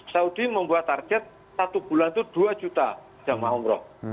saudi membuat target satu bulan itu dua juta jamaah umroh